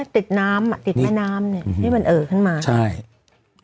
ติดน้ำติดแม่น้ำนี่ให้มันเอ่อขึ้นมาใช่นะฮะ